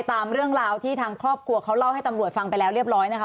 ตามเรื่องราวที่ทางครอบครัวเขาเล่าให้ตำรวจฟังไปแล้วเรียบร้อยนะคะ